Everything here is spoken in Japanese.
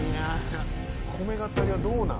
米語りはどうなん。